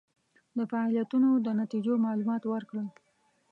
د فعالیتونو د نتیجو معلومات ورکړل.